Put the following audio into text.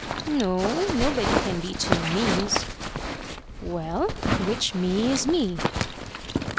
"No. Nobody can be two mes." "Well, which me is me?"